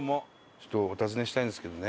ちょっとお尋ねしたいんですけどね